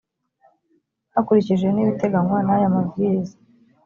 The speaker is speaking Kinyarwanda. hakurikijwe ibiteganywa n’aya mabwiriza